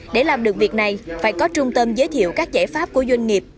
để làm được việc này phải có trung tâm giới thiệu các giải pháp của doanh nghiệp